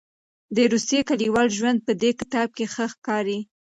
د روسیې کلیوال ژوند په دې کتاب کې ښه ښکاري.